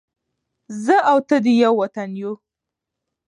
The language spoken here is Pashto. زه او ته دې ېو وطن ېو